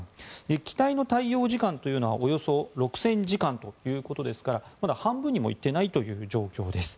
機体の耐用時間というのはおよそ６０００時間ということですからまだ半分にも行っていないという状況です。